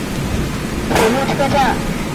三泽上町车站的铁路车站。